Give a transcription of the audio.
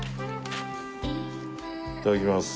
いただきます。